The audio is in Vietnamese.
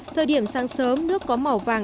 thời điểm sáng sớm nước có màu vàng